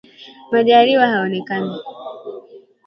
Majaliwa haonekani